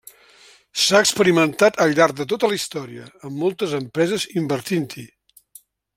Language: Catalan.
S'ha experimentat al llarg de tota la història, amb moltes empreses invertint-hi.